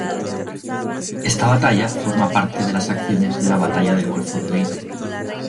Esta batalla forma parte de las acciones de la batalla del golfo de Leyte.